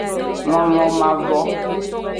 Lonlon mavo.